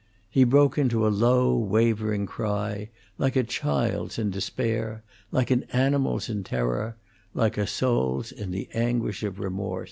He broke into a low, wavering cry, like a child's in despair, like an animal's in terror, like a soul's in the anguish of remorse.